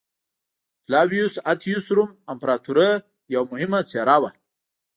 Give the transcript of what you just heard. فلاویوس اتیوس روم امپراتورۍ یوه مهمه څېره وه